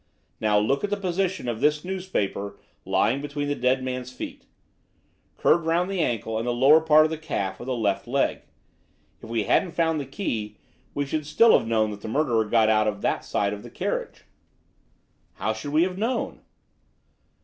Now look at the position of this newspaper lying between the dead man's feet. Curved round the ankle and the lower part of the calf of the left leg. If we hadn't found the key we still should have known that the murderer got out on that side of the carriage." "How should we have known?"